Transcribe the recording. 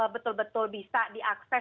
betul betul bisa diakses